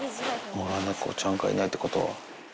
野良猫ちゃんがいないということは。